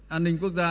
an ninh quốc gia